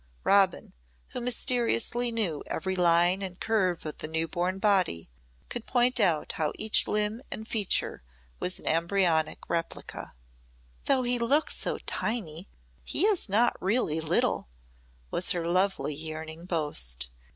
Robin, who mysteriously knew every line and curve of the new born body, could point out how each limb and feature was an embryonic replica. "Though he looks so tiny, he is not really little," was her lovely yearning boast.